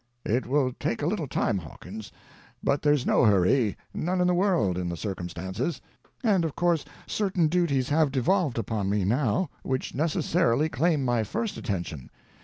"It will take a little time, Hawkins, but there's no hurry, none in the world—in the circumstances. And of course certain duties have devolved upon me now, which necessarily claim my first attention.